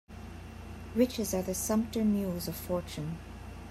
Riches are the sumpter mules of fortune.